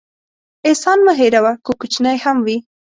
احسان مه هېروه، که کوچنی هم وي.